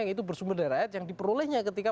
yang itu bersumber dari rakyat yang diperolehnya ketika